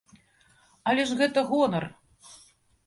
Але ж гэта гонар.